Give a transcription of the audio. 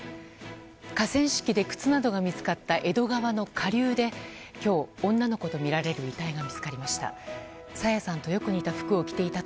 河川敷で靴などが見つかった江戸川の下流で今日、女の子とみられる遺体が見つかりました。